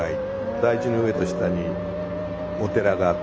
台地の上と下にお寺があって。